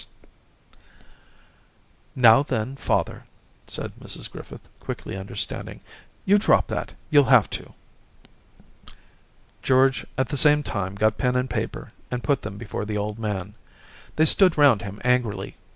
' Daisy 269 * Now then, father/ said Mrs Griffith, quickly understanding, *you drop that, youll have to.' George at the same time got pen and paper and put them before the old man. They stood round him angrily.